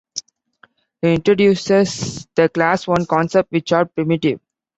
He introduces the Class One concepts, which are primitive.